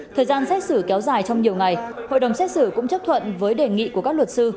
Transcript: thời gian xét xử kéo dài trong nhiều ngày hội đồng xét xử cũng chấp thuận với đề nghị của các luật sư